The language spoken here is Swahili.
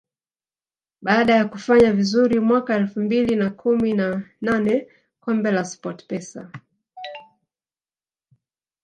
Baada ya kufanya vizuri mwaka elfu mbili na kumi na nane kombe la SportPesa